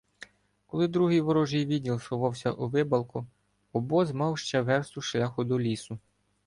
Коли другий ворожий відділ сховався у вибалку, обоз мав ще версту шляху до лісу.